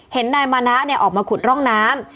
เห็นนายมานะออกมาขุดร่องน้ำ